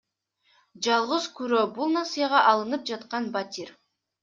Жалгыз күрөө — бул насыяга алынып жаткан батир.